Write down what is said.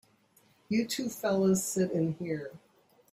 You two fellas sit in here.